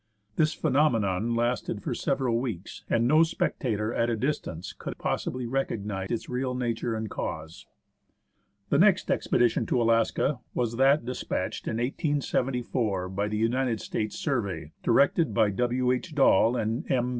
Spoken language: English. This phenomenon lasted for several weeks, and no spectator at a distance could possibly recognise its real nature and cause. The next expedition to Alaska was that despatched in 1874 by the " United States Survey," directed by W. H. Dall and M.